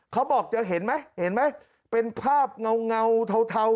เขาบอกเห็นไหมเป็นภาพเงาเทา